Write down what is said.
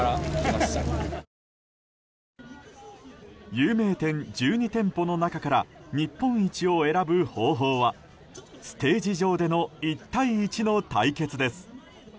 有名店１２店舗の中から日本一を選ぶ方法はステージ上での１対１の対決です。